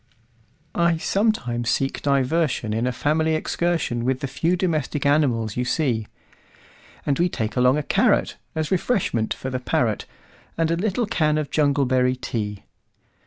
I sometimes seek diversionIn a family excursionWith the few domestic animals you see; And we take along a carrotAs refreshment for the parrot, And a little can of jungleberry tea.